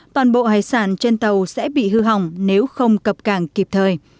toàn bộ hải sản trên tàu sẽ bị hư hỏng nếu không cập cảng kịp thời